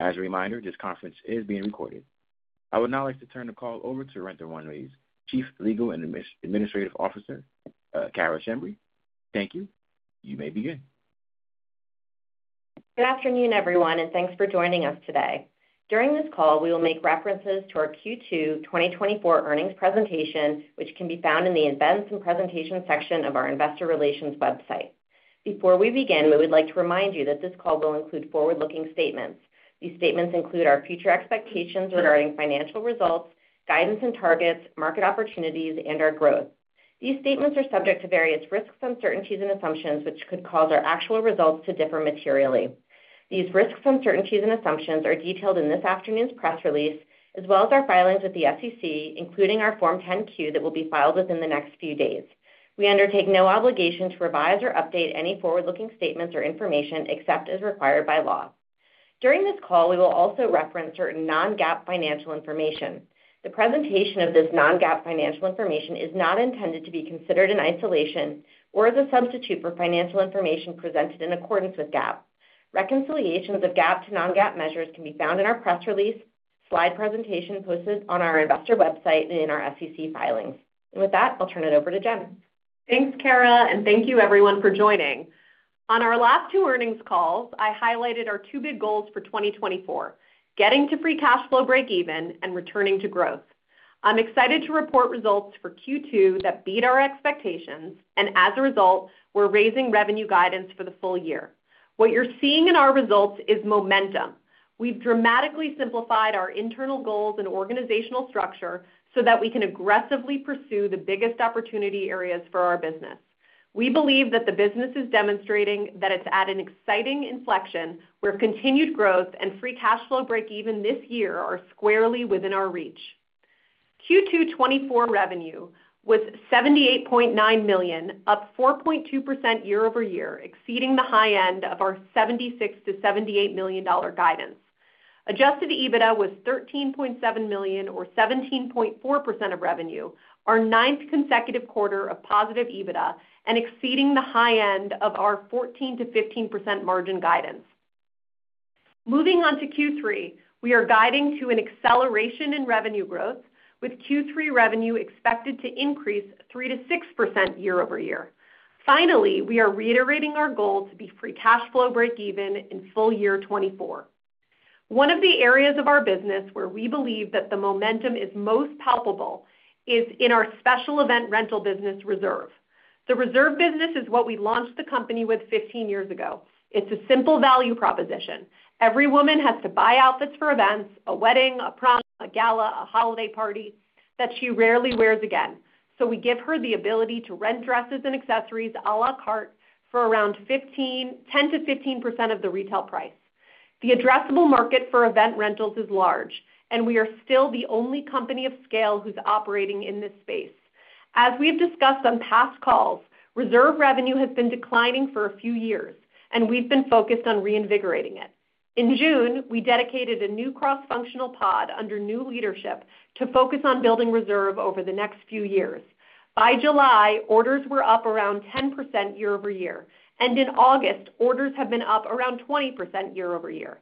As a reminder, this conference is being recorded. I would now like to turn the call over to Rent the Runway's Chief Legal and Administrative Officer, Cara Schembri. Thank you. You may begin. Good afternoon, everyone, and thanks for joining us today. During this call, we will make references to our Q2 2024 earnings presentation, which can be found in the Events and Presentation section of our Investor Relations website. Before we begin, we would like to remind you that this call will include forward-looking statements. These statements include our future expectations regarding financial results, guidance and targets, market opportunities, and our growth. These statements are subject to various risks, uncertainties and assumptions, which could cause our actual results to differ materially. These risks, uncertainties, and assumptions are detailed in this afternoon's press release, as well as our filings with the SEC, including our Form 10-Q, that will be filed within the next few days. We undertake no obligation to revise or update any forward-looking statements or information except as required by law. During this call, we will also reference certain non-GAAP financial information. The presentation of this non-GAAP financial information is not intended to be considered in isolation or as a substitute for financial information presented in accordance with GAAP. Reconciliations of GAAP to non-GAAP measures can be found in our press release, slide presentation posted on our investor website and in our SEC filings. And with that, I'll turn it over to Jen. Thanks, Kara, and thank you everyone for joining. On our last two earnings calls, I highlighted our two big goals for 2024: getting to free cash flow breakeven and returning to growth. I'm excited to report results for Q2 that beat our expectations, and as a result, we're raising revenue guidance for the full year. What you're seeing in our results is momentum. We've dramatically simplified our internal goals and organizational structure so that we can aggressively pursue the biggest opportunity areas for our business. We believe that the business is demonstrating that it's at an exciting inflection, where continued growth and free cash flow breakeven this year are squarely within our reach. Q2 2024 revenue was $78.9 million, up 4.2% year-over-year, exceeding the high end of our $76 million to 78 million guidance. Adjusted EBITDA was $13.7 million or 17.4% of revenue, our ninth consecutive quarter of positive EBITDA and exceeding the high end of our 14% to 15% margin guidance. Moving on to Q3, we are guiding to an acceleration in revenue growth, with Q3 revenue expected to increase 3% to 6% year-over-year. Finally, we are reiterating our goal to be free cash flow breakeven in full year 2024. One of the areas of our business where we believe that the momentum is most palpable is in our special event rental business, Reserve. The Reserve business is what we launched the company with 15 years ago. It's a simple value proposition. Every woman has to buy outfits for events, a wedding, a prom, a gala, a holiday party that she rarely wears again. So we give her the ability to rent dresses and accessories à la carte for around 15, 10% to 15% of the retail price. The addressable market for event rentals is large, and we are still the only company of scale who's operating in this space. As we've discussed on past calls, Reserve revenue has been declining for a few years, and we've been focused on reinvigorating it. In June, we dedicated a new cross-functional pod under new leadership to focus on building Reserve over the next few years. By July, orders were up around 10% year-over-year, and in August, orders have been up around 20% year-over-year.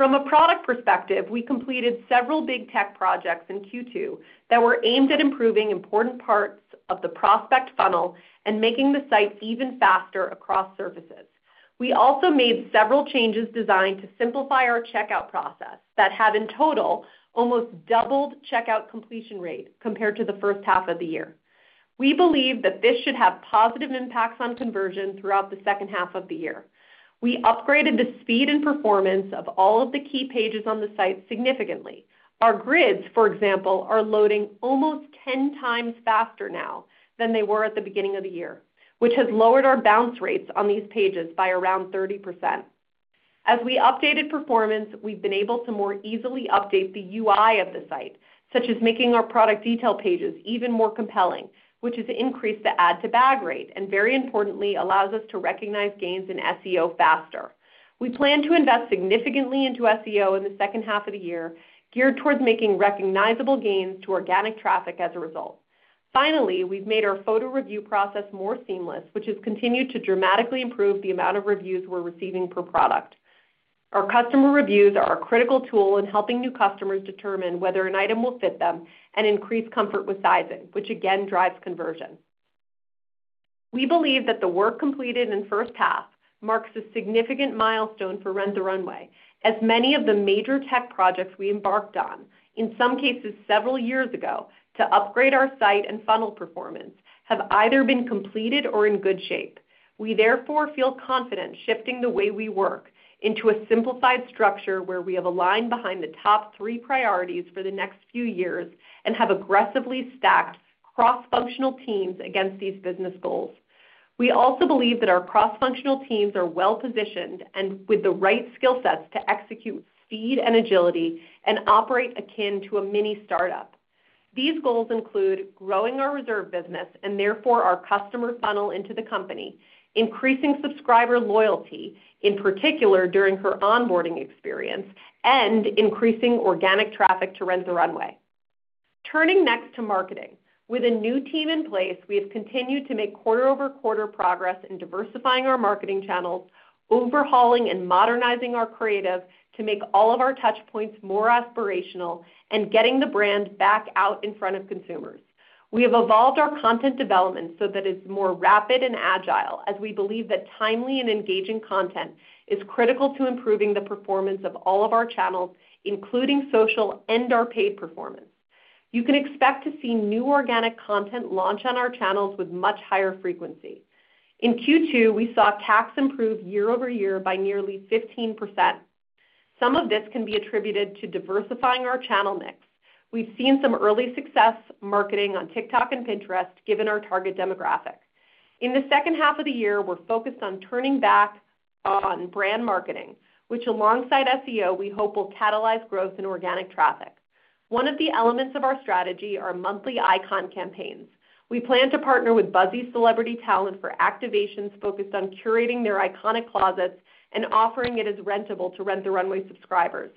From a product perspective, we completed several big tech projects in Q2 that were aimed at improving important parts of the prospect funnel and making the site even faster across surfaces. We also made several changes designed to simplify our checkout process that have, in total, almost doubled checkout completion rate compared to the first half of the year. We believe that this should have positive impacts on conversion throughout the second half of the year. We upgraded the speed and performance of all of the key pages on the site significantly. Our grids, for example, are loading almost ten times faster now than they were at the beginning of the year, which has lowered our bounce rates on these pages by around 30%. As we updated performance, we've been able to more easily update the UI of the site, such as making our product detail pages even more compelling, which has increased the add to bag rate and very importantly, allows us to recognize gains in SEO faster. We plan to invest significantly into SEO in the second half of the year, geared towards making recognizable gains to organic traffic as a result. Finally, we've made our photo review process more seamless, which has continued to dramatically improve the amount of reviews we're receiving per product. Our customer reviews are a critical tool in helping new customers determine whether an item will fit them, and increase comfort with sizing, which again, drives conversion. We believe that the work completed in the first half marks a significant milestone for Rent the Runway, as many of the major tech projects we embarked on, in some cases, several years ago, to upgrade our site and funnel performance, have either been completed or in good shape. We therefore feel confident shifting the way we work into a simplified structure, where we have aligned behind the top three priorities for the next few years, and have aggressively stacked cross-functional teams against these business goals. We also believe that our cross-functional teams are well-positioned, and with the right skill sets to execute speed and agility, and operate akin to a mini startup. These goals include growing our Reserve business, and therefore, our customer funnel into the company, increasing subscriber loyalty, in particular, during her onboarding experience, and increasing organic traffic to Rent the Runway. Turning next to marketing. With a new team in place, we have continued to make quarter-over-quarter progress in diversifying our marketing channels, overhauling and modernizing our creative to make all of our touch points more aspirational, and getting the brand back out in front of consumers. We have evolved our content development so that it's more rapid and agile, as we believe that timely and engaging content is critical to improving the performance of all of our channels, including social and our paid performance. You can expect to see new organic content launch on our channels with much higher frequency. In Q2, we saw CAC improve year-over-year by nearly 15%. Some of this can be attributed to diversifying our channel mix. We've seen some early success marketing on TikTok and Pinterest, given our target demographic. In the second half of the year, we're focused on turning back on brand marketing, which, alongside SEO, we hope will catalyze growth in organic traffic. One of the elements of our strategy are monthly icon campaigns. We plan to partner with buzzy celebrity talent for activations, focused on curating their iconic closets and offering it as rentable to Rent the Runway subscribers.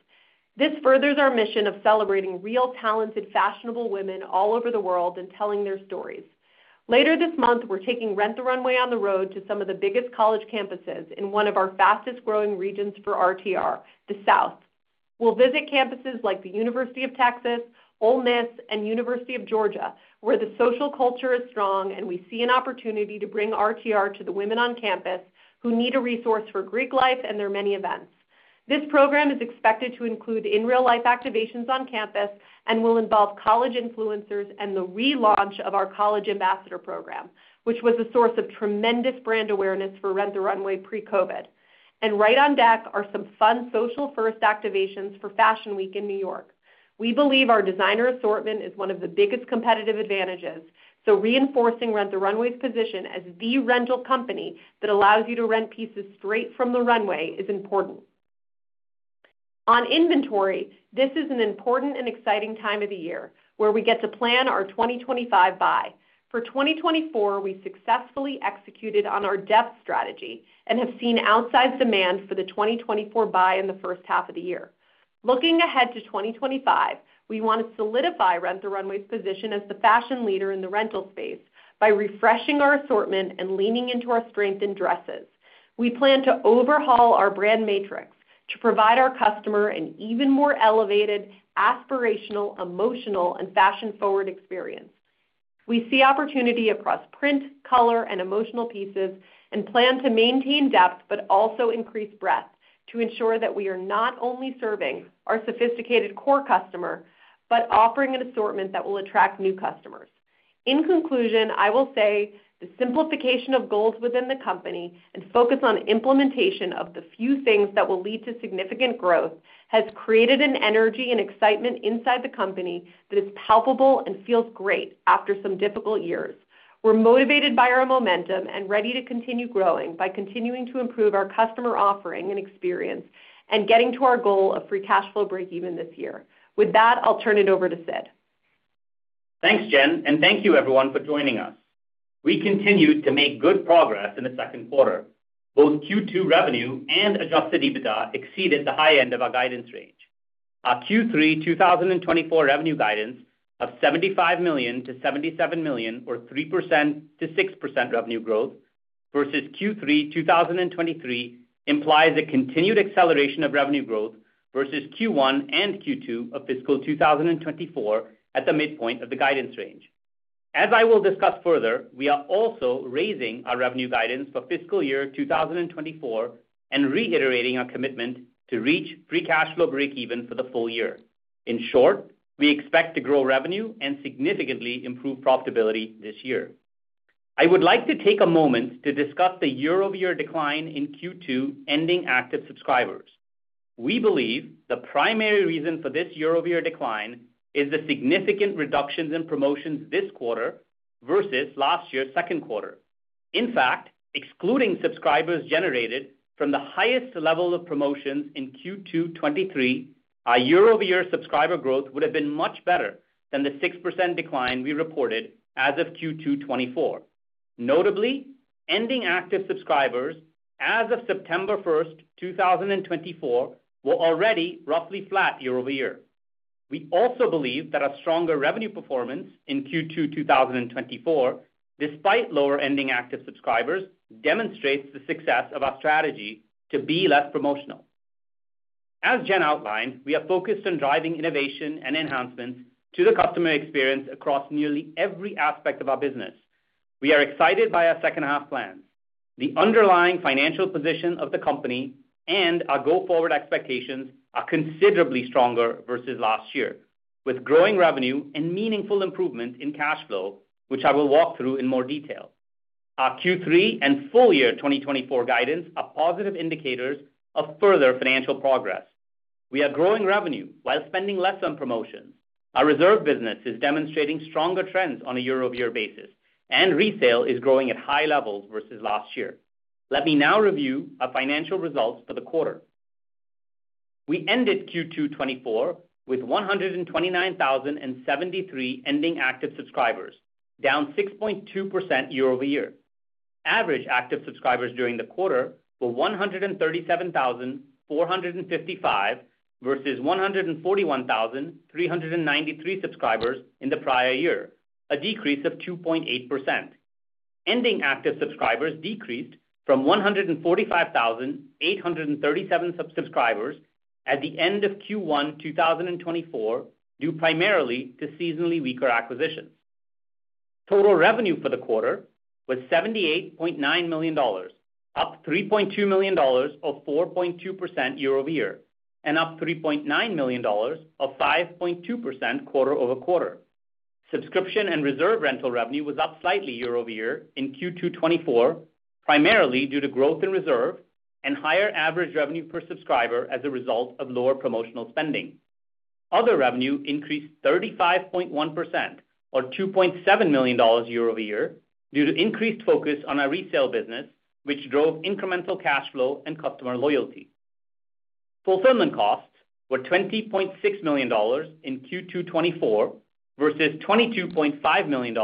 This furthers our mission of celebrating real, talented, fashionable women all over the world and telling their stories. Later this month, we're taking Rent the Runway on the road to some of the biggest college campuses in one of our fastest-growing regions for RTR, the South. We'll visit campuses like the University of Texas, Ole Miss, and University of Georgia, where the social culture is strong, and we see an opportunity to bring RTR to the women on campus who need a resource for Greek life and their many events. This program is expected to include in real-life activations on campus and will involve college influencers and the relaunch of our college ambassador program, which was a source of tremendous brand awareness for Rent the Runway pre-COVID, and right on deck are some fun social-first activations for Fashion Week in New York. We believe our designer assortment is one of the biggest competitive advantages, so reinforcing Rent the Runway's position as the rental company that allows you to rent pieces straight from the runway is important. On inventory, this is an important and exciting time of the year, where we get to plan our 2025 buy. For 2024, we successfully executed on our depth strategy and have seen outsized demand for the 2024 buy in the first half of the year. Looking ahead to 2025, we want to solidify Rent the Runway's position as the fashion leader in the rental space by refreshing our assortment and leaning into our strength in dresses. We plan to overhaul our brand matrix to provide our customer an even more elevated, aspirational, emotional, and fashion-forward experience. We see opportunity across print, color, and emotional pieces, and plan to maintain depth, but also increase breadth to ensure that we are not only serving our sophisticated core customer, but offering an assortment that will attract new customers. In conclusion, I will say the simplification of goals within the company and focus on implementation of the few things that will lead to significant growth, has created an energy and excitement inside the company that is palpable and feels great after some difficult years. We're motivated by our momentum and ready to continue growing by continuing to improve our customer offering and experience, and getting to our goal of free cash flow breakeven this year. With that, I'll turn it over to Sid. Thanks, Jen, and thank you everyone for joining us. We continued to make good progress in the Q2. Both Q2 revenue and adjusted EBITDA exceeded the high end of our guidance range. Our Q3 2024 revenue guidance of $75 million to 77 million, or 3% to 6% revenue growth, versus Q3 2023, implies a continued acceleration of revenue growth versus Q1 and Q2 of fiscal 2024 at the midpoint of the guidance range. As I will discuss further, we are also raising our revenue guidance for fiscal year 2024, and reiterating our commitment to reach free cash flow breakeven for the full year. In short, we expect to grow revenue and significantly improve profitability this year. I would like to take a moment to discuss the year-over-year decline in Q2 ending active subscribers. We believe the primary reason for this year-over-year decline is the significant reductions in promotions this quarter versus last year's Q2. In fact, excluding subscribers generated from the highest level of promotions in Q2 2023, our year-over-year subscriber growth would have been much better than the 6% decline we reported as of Q2 2024. Notably, ending active subscribers as of September first, 2024, were already roughly flat year-over-year. We also believe that our stronger revenue performance in Q2 2024, despite lower ending active subscribers, demonstrates the success of our strategy to be less promotional. As Jen outlined, we are focused on driving innovation and enhancements to the customer experience across nearly every aspect of our business. We are excited by our second half plans. The underlying financial position of the company and our go-forward expectations are considerably stronger versus last year, with growing revenue and meaningful improvement in cash flow, which I will walk through in more detail. Our Q3 and full year 2024 guidance are positive indicators of further financial progress. We are growing revenue while spending less on promotions. Our reserve business is demonstrating stronger trends on a year-over-year basis, and resale is growing at high levels versus last year. Let me now review our financial results for the quarter. We ended Q2 2024 with 129,073 ending active subscribers, down 6.2% year-over-year. Average active subscribers during the quarter were 137,455, versus 141,393 subscribers in the prior year, a decrease of 2.8%. Ending active subscribers decreased from 145,837 subscribers at the end of Q1 2024, due primarily to seasonally weaker acquisitions. Total revenue for the quarter was $78.9 million, up $3.2 million, or 4.2% year-over-year, and up $3.9 million, or 5.2% quarter-over-quarter. Subscription and Reserve rental revenue was up slightly year-over-year in Q2 2024, primarily due to growth in Reserve and higher average revenue per subscriber as a result of lower promotional spending. Other revenue increased 35.1% or $2.7 million year-over-year, due to increased focus on our Resale business, which drove incremental cash flow and customer loyalty. Fulfillment costs were $20.6 million in Q2 2024, versus $22.5 million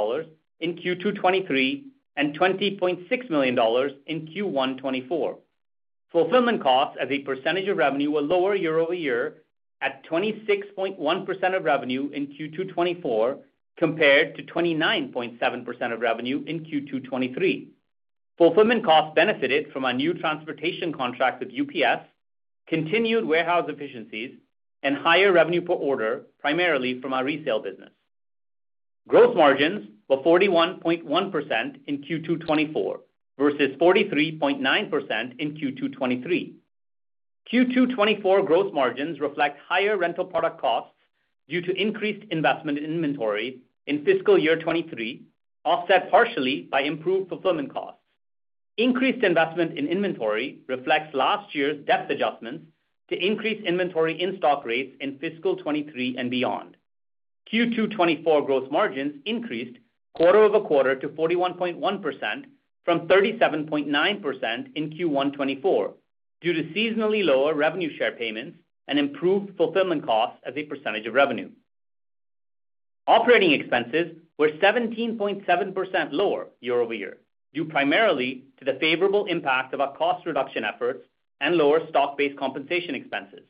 in Q2 2023, and $20.6 million in Q1 2024. Fulfillment costs as a percentage of revenue were lower year-over-year, at 26.1% of revenue in Q2 2024, compared to 29.7% of revenue in Q2 2023. Fulfillment costs benefited from our new transportation contract with UPS, continued warehouse efficiencies, and higher revenue per order, primarily from our resale business. Gross margins were 41.1% in Q2 2024 versus 43.9% in Q2 2023. Q2 2024 gross margins reflect higher rental product costs due to increased investment in inventory in fiscal year 2023, offset partially by improved fulfillment costs. Increased investment in inventory reflects last year's depth adjustments to increase inventory in-stock rates in fiscal 2023 and beyond. Q2 2024 gross margins increased quarter-over-quarter to 41.1% from 37.9% in Q1 2024, due to seasonally lower revenue share payments and improved fulfillment costs as a percentage of revenue. Operating expenses were 17.7% lower year-over-year, due primarily to the favorable impact of our cost reduction efforts and lower stock-based compensation expenses.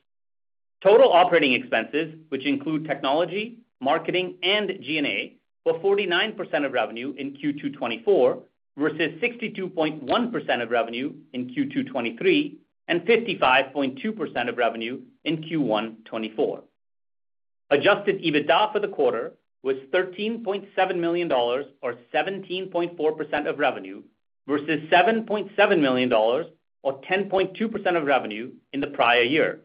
Total operating expenses, which include technology, marketing, and G&A, were 49% of revenue in Q2 2024, versus 62.1% of revenue in Q2 2023, and 55.2% of revenue in Q1 2024. Adjusted EBITDA for the quarter was $13.7 million or 17.4% of revenue, versus $7.7 million, or 10.2% of revenue in the prior year.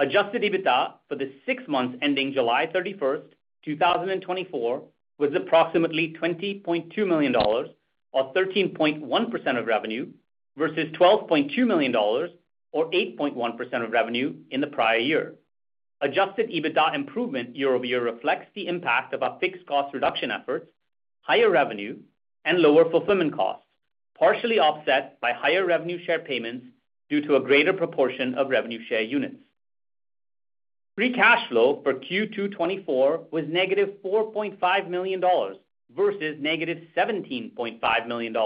Adjusted EBITDA for the six months ending July 31st, 2024, was approximately $20.2 million, or 13.1% of revenue, versus $12.2 million, or 8.1% of revenue in the prior year. Adjusted EBITDA improvement year-over-year reflects the impact of our fixed cost reduction efforts, higher revenue, and lower fulfillment costs, partially offset by higher revenue share payments due to a greater proportion of revenue share units. Free cash flow for Q2 2024 was -$4.5 million, versus -$17.5 million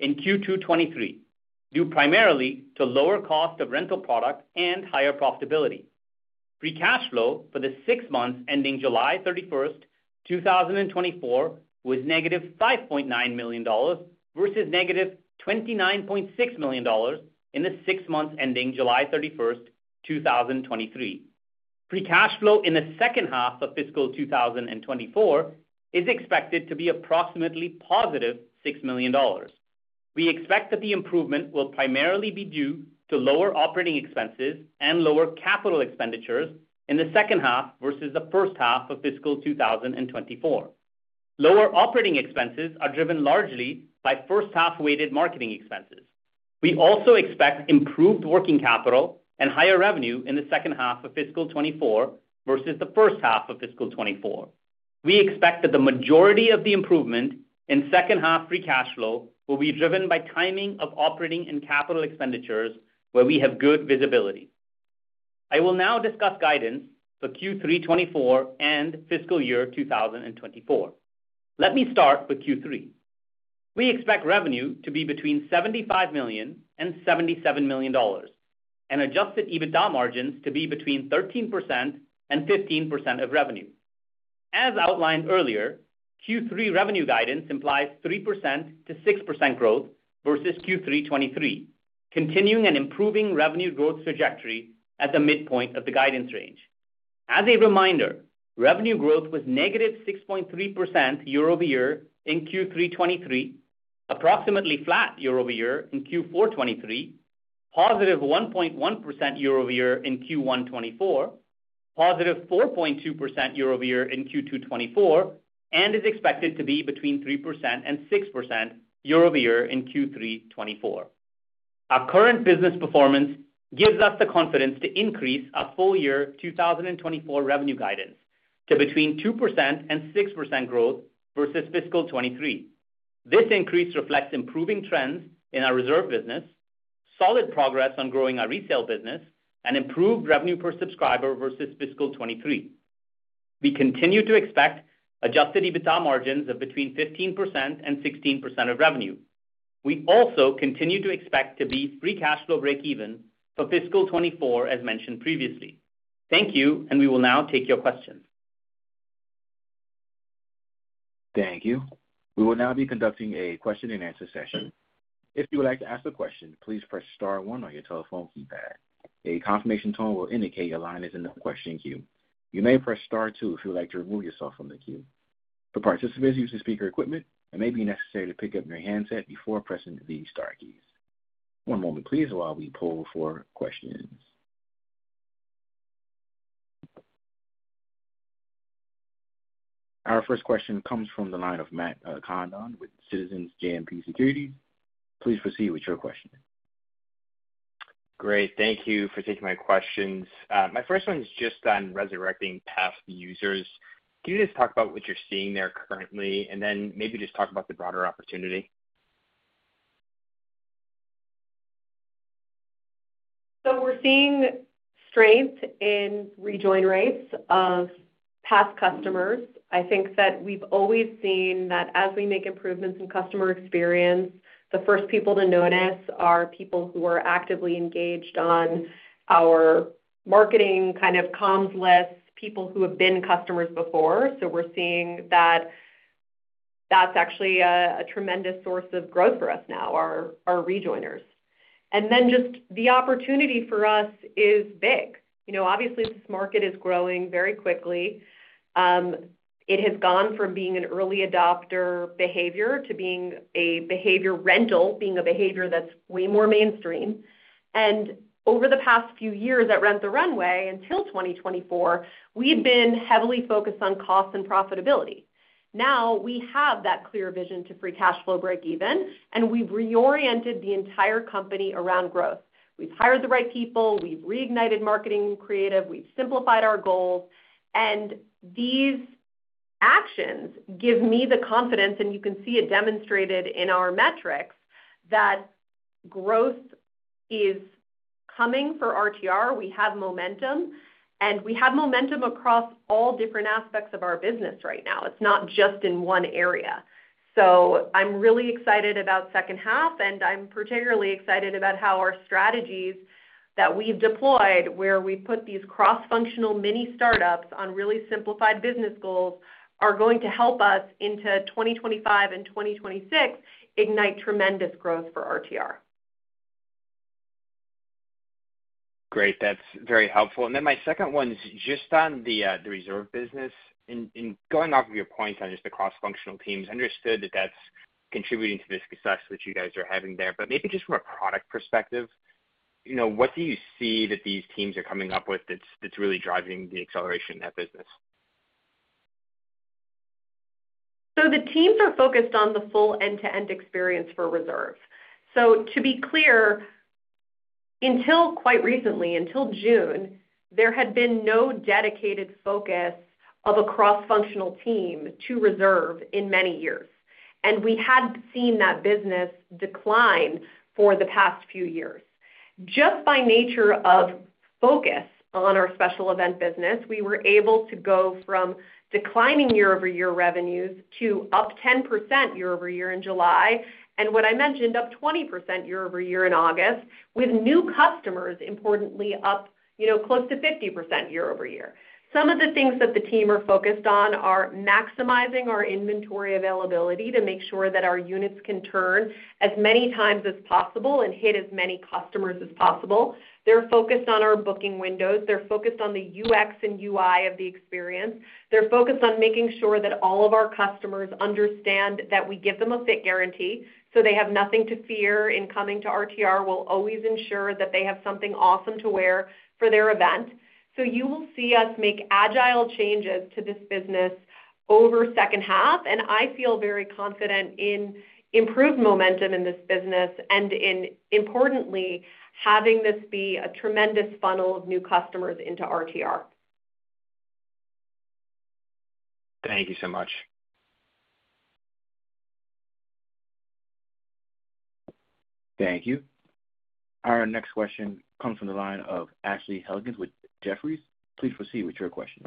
in Q2 2023, due primarily to lower cost of rental product and higher profitability. Free cash flow for the six months ending July 31st, 2024, was negative $5.9 million, versus negative $29.6 million in the six months ending July 31st, 2023. Free cash flow in the second half of fiscal 2024 is expected to be approximately positive $6 million. We expect that the improvement will primarily be due to lower operating expenses and lower capital expenditures in the second half versus the first half of fiscal 2024. Lower operating expenses are driven largely by first half weighted marketing expenses. We also expect improved working capital and higher revenue in the second half of fiscal 2024 versus the first half of fiscal 2024. We expect that the majority of the improvement in second half free cash flow will be driven by timing of operating and capital expenditures, where we have good visibility. I will now discuss guidance for Q3 2024 and fiscal year 2024. Let me start with Q3. We expect revenue to be between $75 million and $77 million, and Adjusted EBITDA margins to be between 13% and 15% of revenue. As outlined earlier, Q3 revenue guidance implies 3% to 6% growth versus Q3 2023, continuing an improving revenue growth trajectory at the midpoint of the guidance range. As a reminder, revenue growth was negative 6.3% year-over-year in Q3 2023, approximately flat year-over-year in Q4 2023, positive 1.1% year-over-year in Q1 2024, positive 4.2% year-over-year in Q2 2024, and is expected to be between 3% and 6% year-over-year in Q3 2024. Our current business performance gives us the confidence to increase our full year 2024 revenue guidance to between 2% and 6% growth versus fiscal 2023. This increase reflects improving trends in our Reserve business, solid progress on growing our retail business, and improved revenue per subscriber versus fiscal 2023. We continue to expect Adjusted EBITDA margins of between 15% and 16% of revenue. We also continue to expect to be free cash flow breakeven for fiscal 2024, as mentioned previously. Thank you, and we will now take your questions. Thank you. We will now be conducting a question and answer session. If you would like to ask a question, please press star one on your telephone keypad. A confirmation tone will indicate your line is in the question queue. You may press star two if you would like to remove yourself from the queue. For participants using speaker equipment, it may be necessary to pick up your handset before pressing the star keys. One moment please while we poll for questions. Our first question comes from the line of Matt Condon with Citizens JMP Securities. Please proceed with your question. Great. Thank you for taking my questions. My first one is just on resurrecting past users. Can you just talk about what you're seeing there currently, and then maybe just talk about the broader opportunity? So we're seeing strength in rejoin rates of past customers. I think that we've always seen that as we make improvements in customer experience, the first people to notice are people who are actively engaged on our marketing, kind of, comms lists, people who have been customers before. So we're seeing that that's actually a tremendous source of growth for us now, our rejoiners. And then just the opportunity for us is big. You know, obviously, this market is growing very quickly. It has gone from being an early adopter behavior to being a rental behavior, being a behavior that's way more mainstream. And over the past few years at Rent the Runway, until 2024, we've been heavily focused on cost and profitability. Now, we have that clear vision to free cash flow breakeven, and we've reoriented the entire company around growth. We've hired the right people, we've reignited marketing creative, we've simplified our goals, and these actions give me the confidence, and you can see it demonstrated in our metrics, that growth is coming for RTR. We have momentum, and we have momentum across all different aspects of our business right now. It's not just in one area, so I'm really excited about second half, and I'm particularly excited about how our strategies that we've deployed, where we put these cross-functional mini startups on really simplified business goals, are going to help us into 2025 and 2026, ignite tremendous growth for RTR. Great, that's very helpful, and then my second one is just on the Reserve business. In going off of your point on just the cross-functional teams, understood that that's contributing to the success that you guys are having there, but maybe just from a product perspective, you know, what do you see that these teams are coming up with that's really driving the acceleration in that business? The teams are focused on the full end-to-end experience for Reserve. To be clear, until quite recently, until June, there had been no dedicated focus of a cross-functional team to Reserve in many years, and we had seen that business decline for the past few years. Just by nature of focus on our special event business, we were able to go from declining year-over-year revenues to up 10% year-over-year in July, and what I mentioned, up 20% year-over-year in August, with new customers, importantly, up, you know, close to 50% year-over-year. Some of the things that the team are focused on are maximizing our inventory availability to make sure that our units can turn as many times as possible and hit as many customers as possible. They're focused on our booking windows. They're focused on the UX and UI of the experience. They're focused on making sure that all of our customers understand that we give them a fit guarantee, so they have nothing to fear in coming to RTR. We'll always ensure that they have something awesome to wear for their event. So you will see us make agile changes to this business over second half, and I feel very confident in improved momentum in this business and, importantly, having this be a tremendous funnel of new customers into RTR. Thank you so much. Thank you. Our next question comes from the line of Ashley Helgans with Jefferies. Please proceed with your question.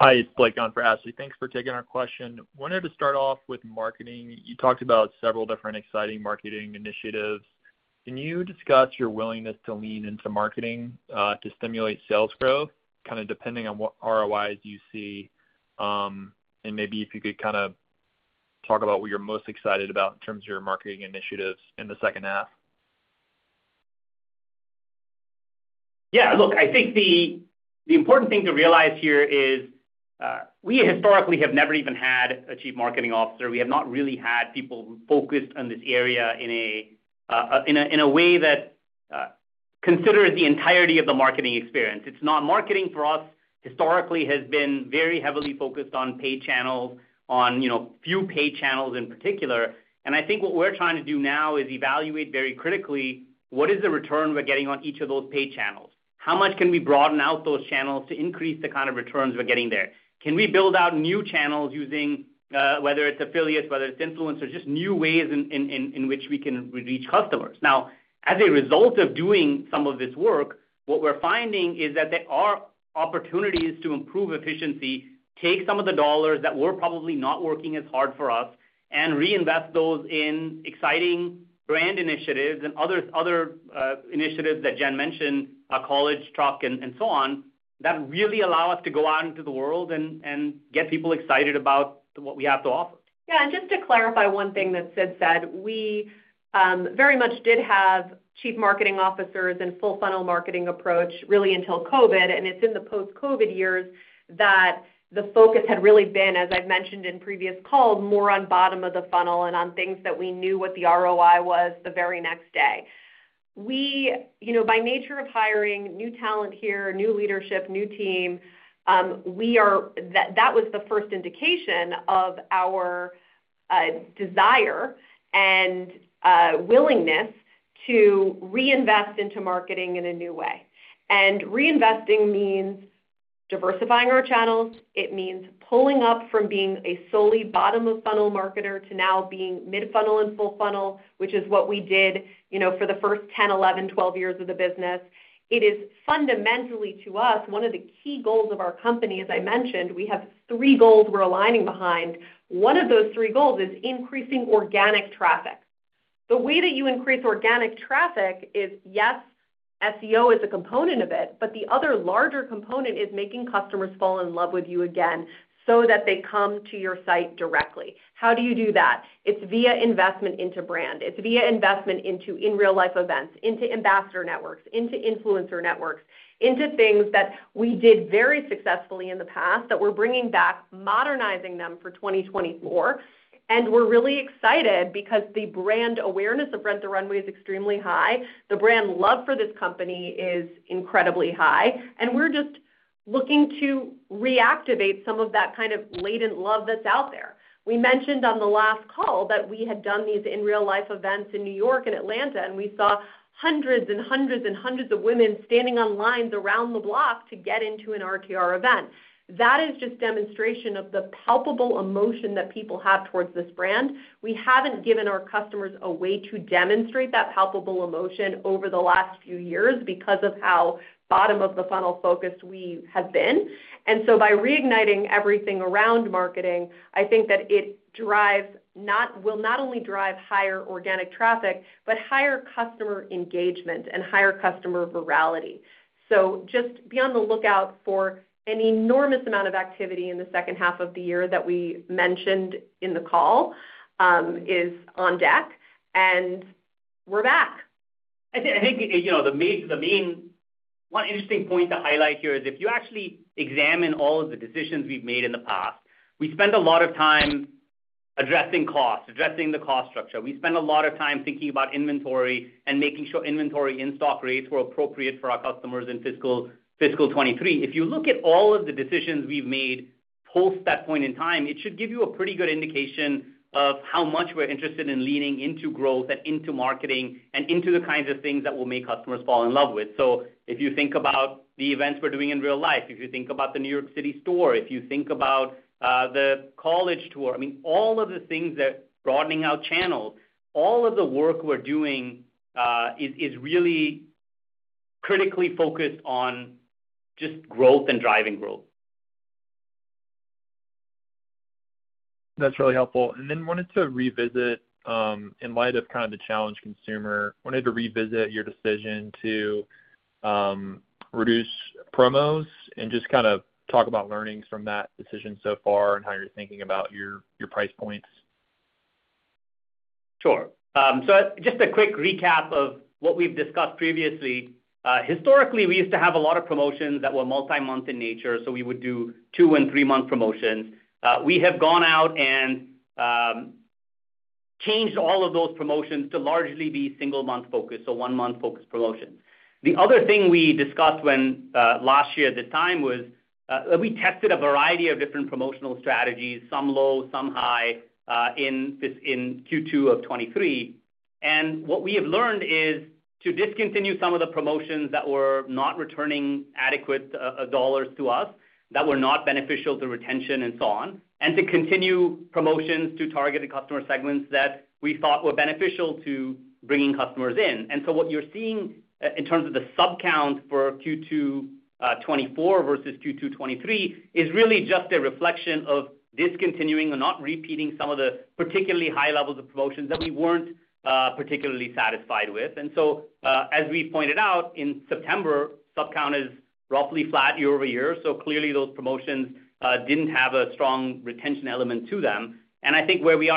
Hi, it's Blake on for Ashley. Thanks for taking our question. Wanted to start off with marketing. You talked about several different exciting marketing initiatives. Can you discuss your willingness to lean into marketing, to stimulate sales growth, kind of, depending on what ROIs you see? And maybe if you could kind of talk about what you're most excited about in terms of your marketing initiatives in the second half. Yeah, look, I think the important thing to realize here is, we historically have never even had a chief marketing officer. We have not really had people focused on this area in a way that considers the entirety of the marketing experience. It's not marketing for us, historically, has been very heavily focused on paid channels, on, you know, few paid channels in particular. And I think what we're trying to do now is evaluate very critically, what is the return we're getting on each of those paid channels? How much can we broaden out those channels to increase the kind of returns we're getting there? Can we build out new channels using whether it's affiliates, whether it's influencers, just new ways in which we can reach customers. Now, as a result of doing some of this work, what we're finding is that there are opportunities to improve efficiency, take some of the dollars that were probably not working as hard for us, and reinvest those in exciting brand initiatives and other initiatives that Jen mentioned, a college tour and so on, that really allow us to go out into the world and get people excited about what we have to offer. Yeah, and just to clarify one thing that Sid said, we very much did have chief marketing officers and full funnel marketing approach, really, until COVID, and it's in the post-COVID years that the focus had really been, as I've mentioned in previous calls, more on bottom of the funnel and on things that we knew what the ROI was the very next day. You know, by nature of hiring new talent here, new leadership, new team, that was the first indication of our desire and willingness to reinvest into marketing in a new way. Reinvesting means diversifying our channels. It means pulling up from being a solely bottom-of-funnel marketer to now being mid-funnel and full funnel, which is what we did, you know, for the first 10, 11, 12 years of the business. It is fundamentally, to us, one of the key goals of our company. As I mentioned, we have three goals we're aligning behind. One of those three goals is increasing organic traffic. The way that you increase organic traffic is, yes, SEO is a component of it, but the other larger component is making customers fall in love with you again so that they come to your site directly. How do you do that? It's via investment into brand. It's via investment into in real life events, into ambassador networks, into influencer networks, into things that we did very successfully in the past that we're bringing back, modernizing them for 2024, and we're really excited because the brand awareness of Rent the Runway is extremely high. The brand love for this company is incredibly high, and we're just looking to reactivate some of that kind of latent love that's out there. We mentioned on the last call that we had done these in-real-life events in New York and Atlanta, and we saw hundreds and hundreds and hundreds of women standing on lines around the block to get into an RTR event. That is just demonstration of the palpable emotion that people have towards this brand. We haven't given our customers a way to demonstrate that palpable emotion over the last few years because of how bottom-of-the-funnel focused we have been. And so by reigniting everything around marketing, I think that it will not only drive higher organic traffic, but higher customer engagement and higher customer virality. So just be on the lookout for an enormous amount of activity in the second half of the year that we mentioned in the call, is on deck, and we're back. I think, you know, the main one interesting point to highlight here is if you actually examine all of the decisions we've made in the past, we spend a lot of time addressing costs, addressing the cost structure. We spend a lot of time thinking about inventory and making sure inventory in-stock rates were appropriate for our customers in fiscal twenty-three. If you look at all of the decisions we've made post that point in time, it should give you a pretty good indication of how much we're interested in leaning into growth and into marketing, and into the kinds of things that will make customers fall in love with. So if you think about the events we're doing in real life, if you think about the New York City store, if you think about the college tour, I mean, all of the things that broadening our channels, all of the work we're doing is really critically focused on just growth and driving growth. That's really helpful. And then wanted to revisit, in light of kind of the challenged consumer, your decision to reduce promos and just kind of talk about learnings from that decision so far, and how you're thinking about your price points? Sure. So just a quick recap of what we've discussed previously. Historically, we used to have a lot of promotions that were multi-month in nature, so we would do two and three-month promotions. We have gone out and changed all of those promotions to largely be single-month focused, so one-month focused promotions. The other thing we discussed, when last year at the time was, we tested a variety of different promotional strategies, some low, some high, in Q2 of 2023, and what we have learned is to discontinue some of the promotions that were not returning adequate dollars to us, that were not beneficial to retention and so on, and to continue promotions to targeted customer segments that we thought were beneficial to bringing customers in. And so what you're seeing in terms of the sub count for Q2 2024 versus Q2 2023 is really just a reflection of discontinuing or not repeating some of the particularly high levels of promotions that we weren't particularly satisfied with. And so as we pointed out in September, sub count is roughly flat year-over-year, so clearly those promotions didn't have a strong retention element to them. And I think where we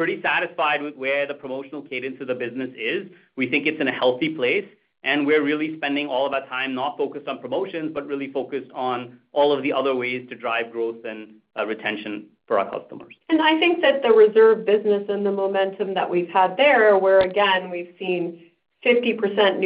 are now is pretty satisfied with where the promotional cadence of the business is. We think it's in a healthy place, and we're really spending all of our time not focused on promotions, but really focused on all of the other ways to drive growth and retention for our customers. And I think that the Reserve business and the momentum that we've had there, where, again, we've seen 50%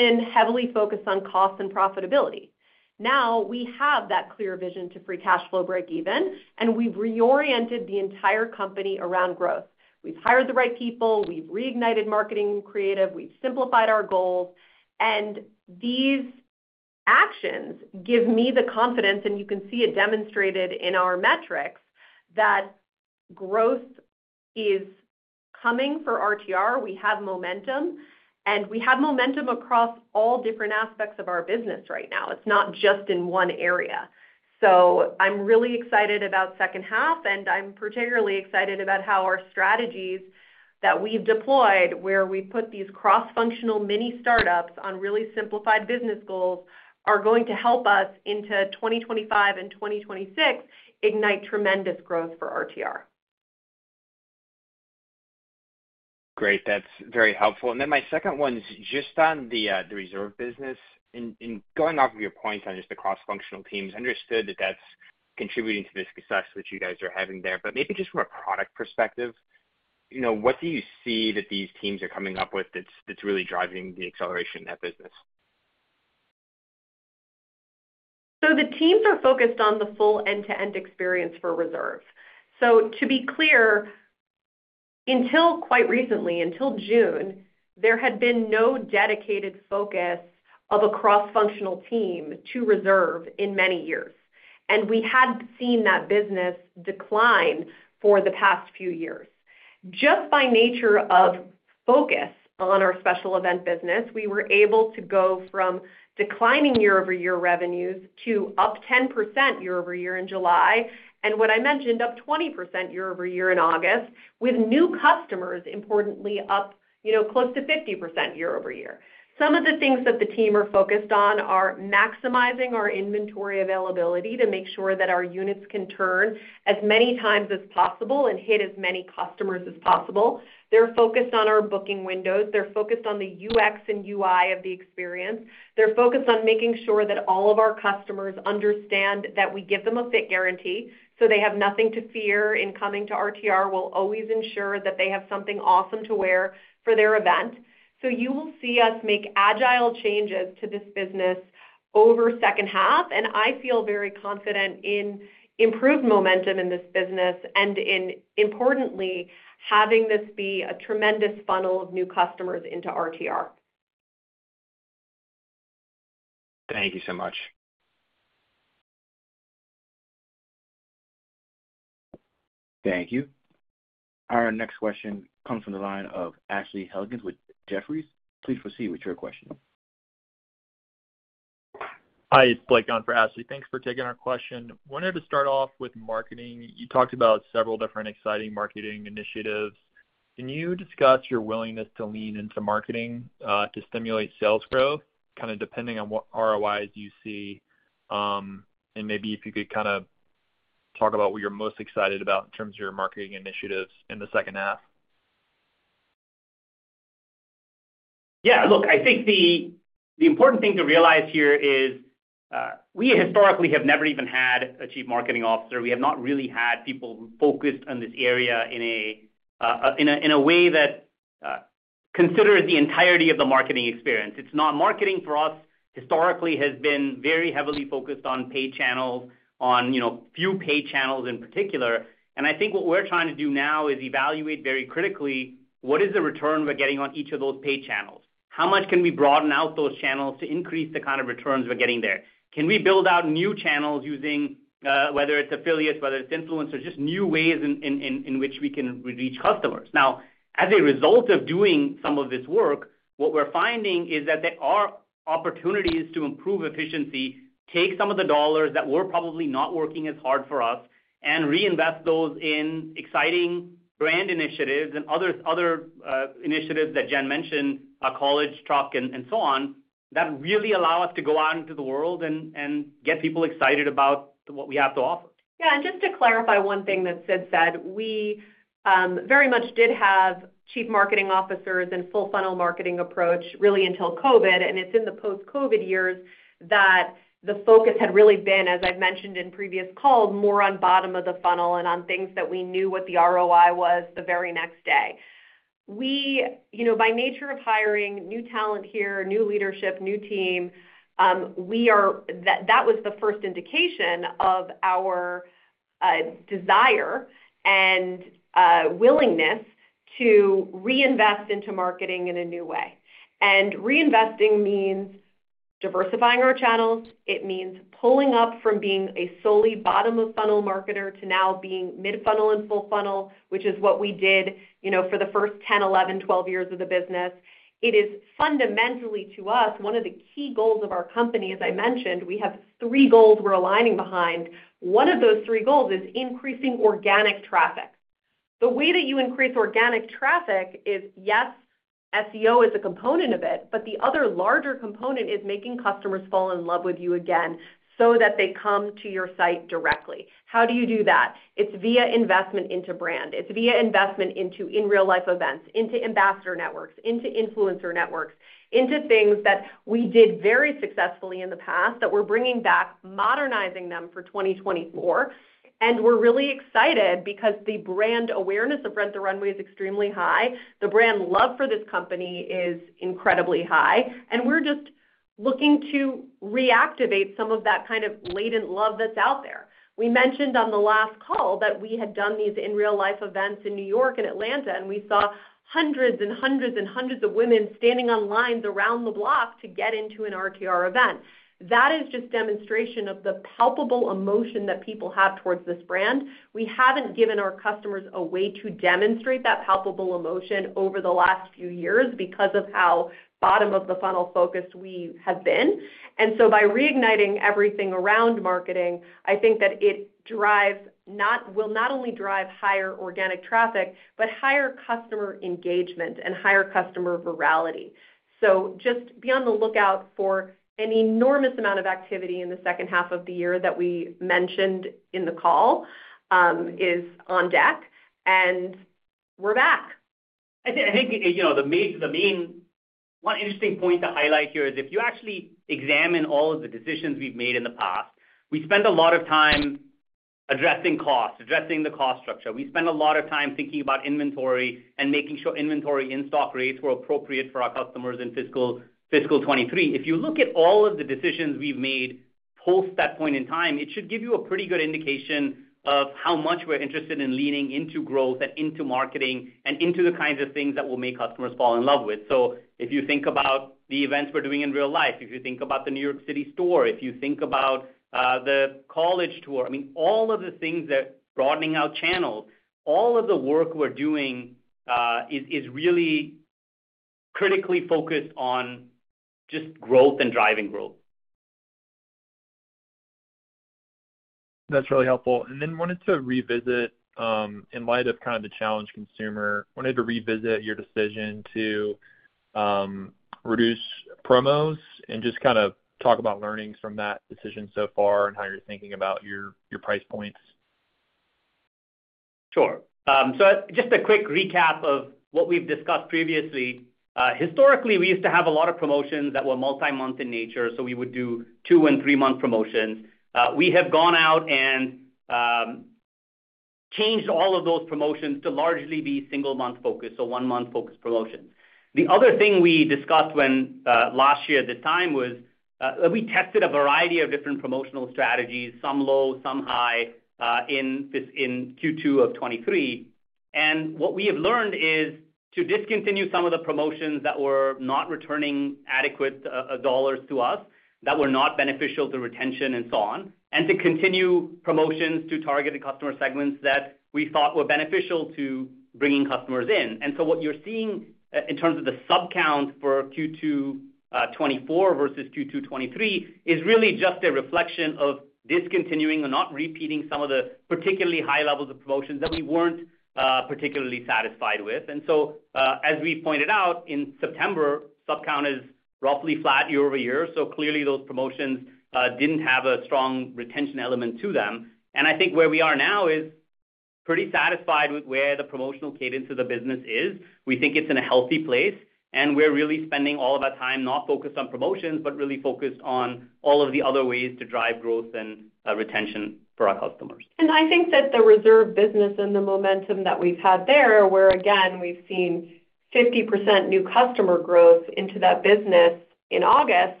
new customer growth into that business in August,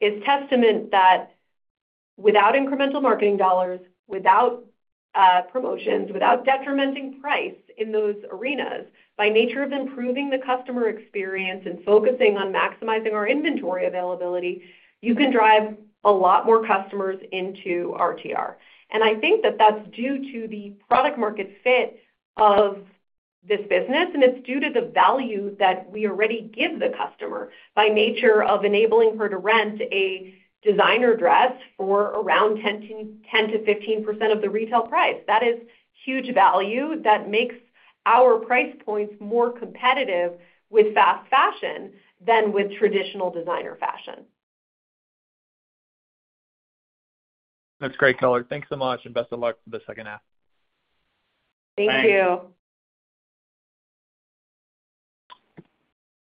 is testament that without incremental marketing dollars, without promotions, without detrimenting price in those arenas, by nature of improving the customer experience and focusing on maximizing our inventory availability, you can drive a lot more customers into RTR. And I think that that's due to the product market fit of this business, and it's due to the value that we already give the customer by nature of enabling her to rent a designer dress for around 10% to 15% of the retail price. That is huge value that makes our price points more competitive with fast fashion than with traditional designer fashion. That's great, color. Thanks so much, and best of luck for the second half. Thank you.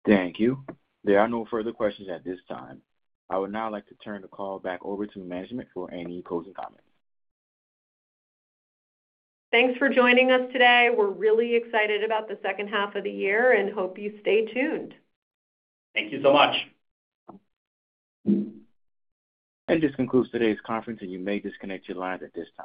Thanks. Thank you. There are no further questions at this time. I would now like to turn the call back over to management for any closing comments. Thanks for joining us today. We're really excited about the second half of the year and hope you stay tuned. Thank you so much. This concludes today's conference, and you may disconnect your lines at this time.